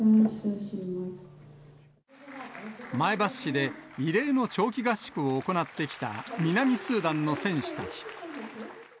前橋市で異例の長期合宿を行ってきた南スーダンの選手たち。